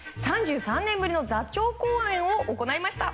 ３３年ぶりの座長公演を行いました。